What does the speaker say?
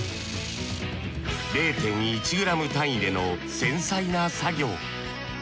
０．１ｇ単位での繊細な作業。